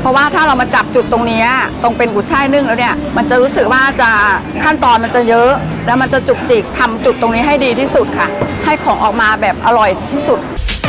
เพราะว่าถ้าเรามาจับจุดตรงเนี้ยตรงเป็นกุช่ายนึ่งแล้วเนี่ยมันจะรู้สึกว่าจะขั้นตอนมันจะเยอะแล้วมันจะจุกจิกทำจุดตรงนี้ให้ดีที่สุดค่ะให้ของออกมาแบบอร่อยที่สุด